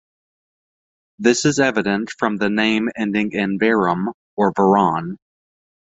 This is evident from the name ending in "varam" or "varan".